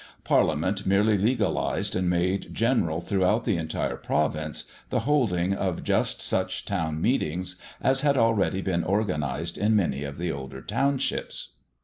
Parliament merely legalized and made general throughout the entire province the holding of just such town meetings as had already been organized in many of the older townships.